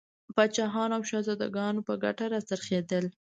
پاچاهانو او شهزادګانو په ګټه را څرخېدل.